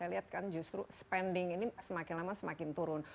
saya lihat kan justru spending ini semakin lama semakin turun